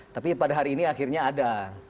tapi pada hari ini akhirnya ada